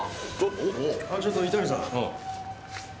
あっちょっと伊丹さん！